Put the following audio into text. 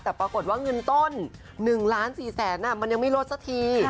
แต่ปรากฏว่าเงินต้น๑ล้าน๔แสนมันยังไม่ลดสักที